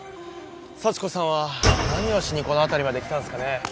幸子さんは何をしにこの辺りまで来たんすかね？